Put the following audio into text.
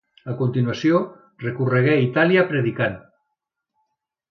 A continuació recorregué Itàlia predicant.